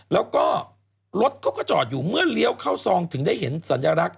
แล้วก็รถเขาก็จอดอยู่เมื่อเลี้ยวเข้าซองถึงได้เห็นสัญลักษณ